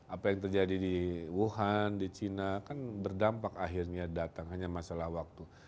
apa yang terjadi di wuhan di china kan berdampak akhirnya datang hanya masalah waktu